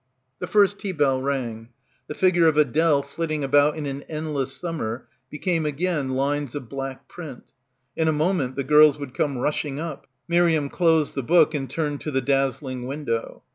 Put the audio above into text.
The first tea bell rang. The figure of Adele flitting about in an endless summer became again lines of black print. In a moment the girls would come rushing up. Miriam closed the book and turned to the dazzling window.